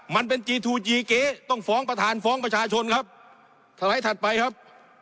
มันเป็นจีทูจีเก๊ต้องฟ้องประธานฟ้องประชาชนครับสไลด์ถัดไปครับ